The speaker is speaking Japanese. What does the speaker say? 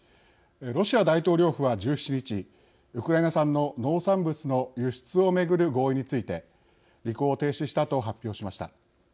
ロシア大統領府は１７日ウクライナ産の農産物の輸出を巡る合意について履行を停止したと発表しました。